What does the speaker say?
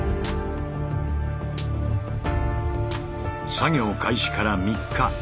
作業開始から３日。